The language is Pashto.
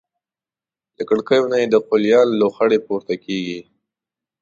له کړکیو نه یې د قلیان لوخړې پورته کېږي.